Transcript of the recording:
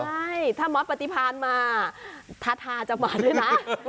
ใช่ถ้าหมอปฏิพานมาทาทาจะมาด้วยนะ